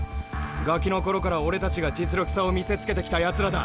ガキの頃から俺たちが実力差を見せつけてきたやつらだ。